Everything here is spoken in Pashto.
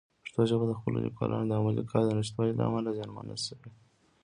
پښتو ژبه د خپلو لیکوالانو د علمي کار د نشتوالي له امله زیانمنه شوې.